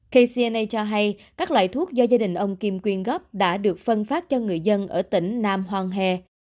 kcna cho hay các loại thuốc do gia đình ông kim quyên góp đã được phân phát cho người dân ở tỉnh nam hoàng he